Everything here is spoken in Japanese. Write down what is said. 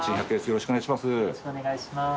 よろしくお願いします。